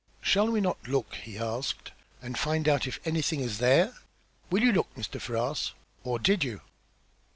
"Shall we not look," he asked, "and find out if anything is there? Will you look, Mr. Ferrars? Or did you?"